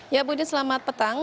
ya bu dien selamat petang